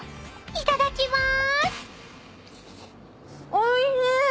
［いただきまーす！］